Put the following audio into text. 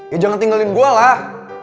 ya jangan tinggalin gue lah